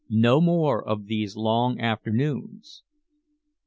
"No more of these long afternoons."